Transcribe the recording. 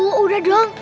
aduh udah dong